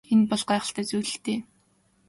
Энэ бол гайхалтай зүйл л дээ.